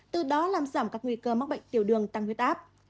từ đó làm giảm các nguy cơ mắc bệnh tiểu đường tăng huyết áp